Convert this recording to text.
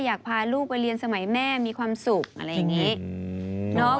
อยากพาลูกไปเรียนสมัยแม่มีความสุขอะไรอย่างนี้